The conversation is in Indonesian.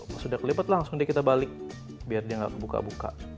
pas udah kelipat langsung dia kita balik biar dia nggak kebuka buka